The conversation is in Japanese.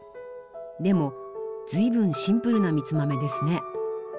でも随分シンプルな蜜豆ですね。